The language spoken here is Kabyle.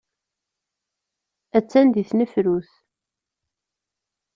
Attan deg tnefrut.